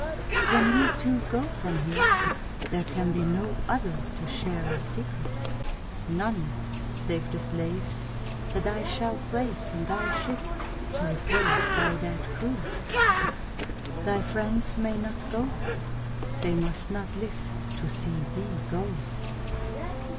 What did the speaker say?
When we two go from here, there can be no other to share our secret; none save the slaves that I shall place in thy ship to replace thy dead crew. Thy friends may not go. They must not live to see thee go!"